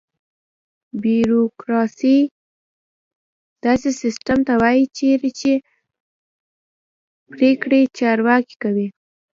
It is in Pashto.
بیوروکراسي: داسې سیستم ته وایي چېرې پرېکړې چارواکي کوي.